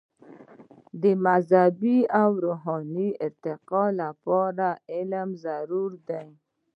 د مذهبي او روحاني ارتقاء لپاره علم ضروري دی.